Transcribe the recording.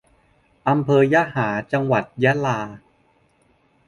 อำเภอยะหา จังหวัดยะลา